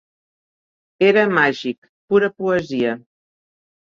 Era màgic, pura poesia.